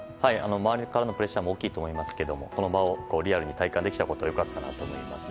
周りからのプレッシャーも大きいとは思いますけどこの場をリアルに体験できたのは良かったと思います。